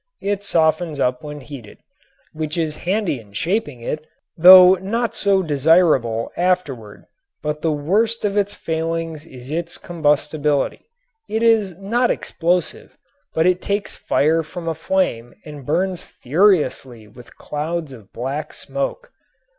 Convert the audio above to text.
It softens up when heated, which is handy in shaping it though not so desirable afterward. But the worst of its failings is its combustibility. It is not explosive, but it takes fire from a flame and burns furiously with clouds of black smoke.